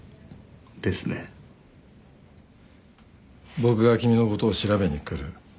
僕が君のことを調べに来る。